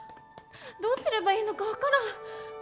どうすればいいのか分からん！